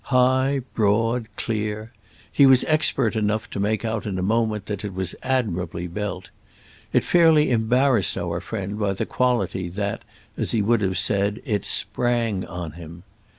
High broad clear—he was expert enough to make out in a moment that it was admirably built—it fairly embarrassed our friend by the quality that, as he would have said, it "sprang" on him.